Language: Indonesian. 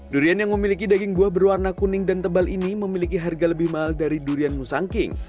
durian yang memiliki daging buah berwarna kuning dan tebal ini memiliki harga lebih mahal dari durian musangking